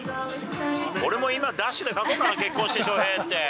俺も今、ダッシュで書こうかな、結婚して翔平って。